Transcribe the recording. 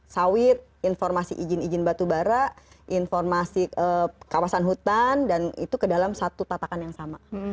sawit informasi izin izin batubara informasi kawasan hutan dan itu ke dalam satu tatakan yang sama